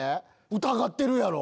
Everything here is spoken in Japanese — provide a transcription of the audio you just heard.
疑ってるやろ？